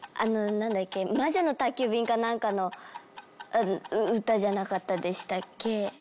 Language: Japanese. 『魔女の宅急便』かなんかの歌じゃなかったでしたっけ？